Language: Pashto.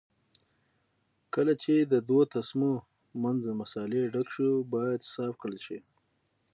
کله چې د دوو تسمو منځ له مسالې ډک شو باید صاف کړل شي.